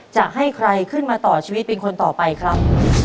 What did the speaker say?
จะให้ใครขึ้นมาต่อชีวิตเป็นคนต่อไปครับ